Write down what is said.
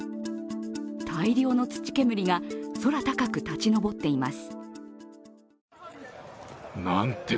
大量の土煙が空高く立ち上っています。